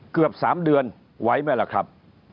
เกือบ๓เดือนไหวไหมล่ะครับ